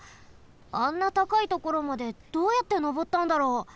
あんなたかいところまでどうやってのぼったんだろう？